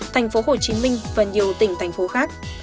tp hcm và nhiều tỉnh thành phố khác